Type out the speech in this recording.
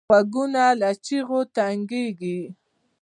غوږونه له چغو تنګېږي